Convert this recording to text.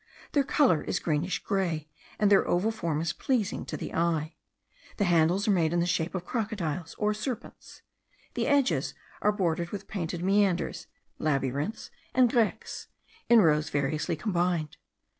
Their colour is greenish grey, and their oval form is pleasing to the eye. The handles are made in the shape of crocodiles or serpents; the edges are bordered with painted meanders, labyrinths, and grecques, in rows variously combined.